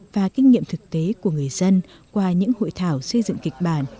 và kinh nghiệm thực tế của người dân qua những hội thảo xây dựng kịch bản